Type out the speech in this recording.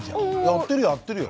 やってるやってるよ。